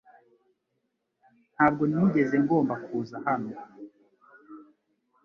Ntabwo nigeze ngomba kuza hano .